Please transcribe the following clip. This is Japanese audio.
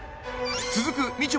続くみちょ